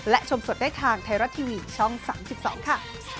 และชมสดได้ทางไทยรัฐทีวีช่อง๓๒ค่ะ